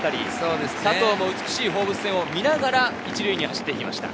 佐藤も美しい放物線を見ながら１塁に走っていきました。